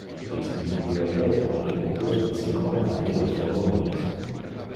Iste bibliotheca contine plus de cinquanta milles volumines.